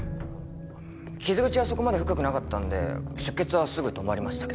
傷口はそこまで深くなかったんで出血はすぐ止まりましたけど。